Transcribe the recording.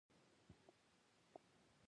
دوکاندار له ناروا ګټې ډډه کوي.